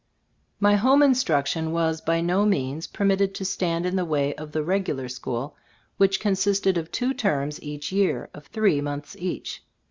My home instruction was by no means permitted to stand in the way of the "regular school," which con sisted of two terms each year, of three months each.